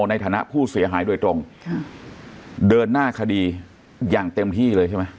ในฐานะผู้เสียหายโดยตรงค่ะเดินหน้าคดีอย่างเต็มที่เลยใช่ไหม